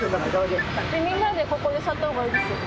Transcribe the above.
みんなでここに座った方がいいですよね。